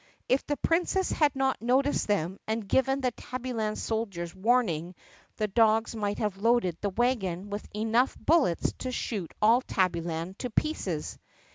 If the Princess had not noticed them and given the Tabbyland soldiers warn ing the dogs might have loaded the wagon with enough bullets to shoot all Tabbyland to pieces.